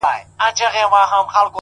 • د لېوه یې په نصیب کښلي ښکارونه ,